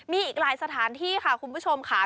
มีอีกหลายสถานที่ค่ะคุณผู้ชมค่ะ